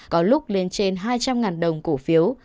có lúc lên trên hai trăm linh đồng cổ phiếu